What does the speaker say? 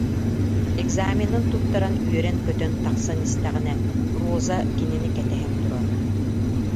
Экзаменын туттаран үөрэн-көтөн тахсан истэҕинэ, Роза кинини кэтэһэн турара